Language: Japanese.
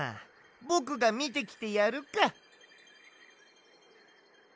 ぼくがみてきてやるか！